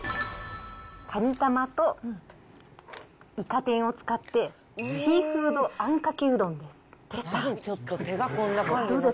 カニ玉といか天を使って、シーフードあんかけうどんです。